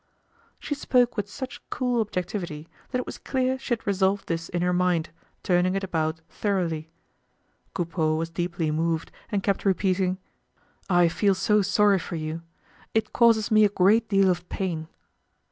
She spoke with such cool objectivity that it was clear she had resolved this in her mind, turning it about thoroughly. Coupeau was deeply moved and kept repeating: "I feel so sorry for you. It causes me a great deal of pain."